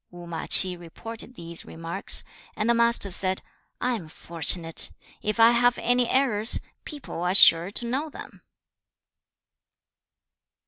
3. Wu ma Ch'i reported these remarks, and the Master said, 'I am fortunate! If I have any errors, people are sure to know them.'